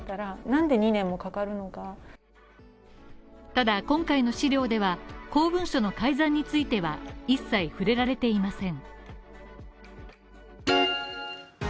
ただ、今回の資料では、公文書の改ざんについては一切触れられていません。